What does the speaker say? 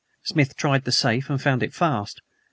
Smith tried the safe and found it fast.